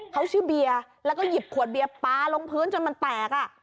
เขาชื่อเบียร์แล้วก็หยิบขวดเบียร์ปลาลงพื้นจนมันแตก